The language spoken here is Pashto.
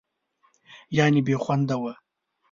یعنې بېخونده وه.